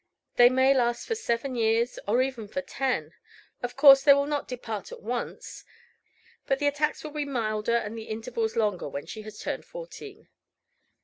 They may last for seven years, or even for ten; of course they will not depart at once. But the attacks will be milder, and the intervals longer, when she has turned fourteen.